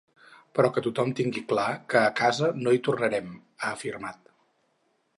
Però que tothom tingui clar que a casa no hi tornarem, ha afirmat.